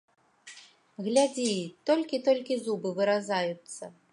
Глядзі, толькі, толькі зубы выразаюцца.